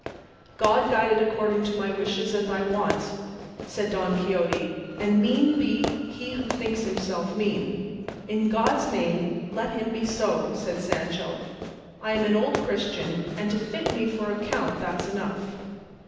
"God guide it according to my wishes and thy wants," said Don Quixote, "and mean be he who thinks himself mean." "In God's name let him be so," said Sancho: "I am an old Christian, and to fit me for a count that's enough."